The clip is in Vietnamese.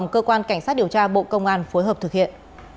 cơ quan cảnh sát điều tra bộ công an phối hợp thực hiện